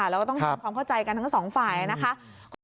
แล้วก็ต้องทำความเข้าใจกันทั้งสองฝ่ายนะคะ